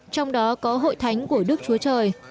trong đó có hội thánh của đức chúa trời